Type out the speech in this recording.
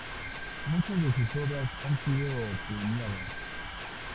Muchas de sus obras han sido premiadas.